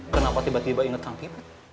kenapa tiba tiba inget kanki